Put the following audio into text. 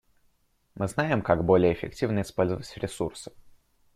Мы знаем, как более эффективно использовать ресурсы.